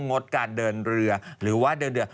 งดการเดินเรือ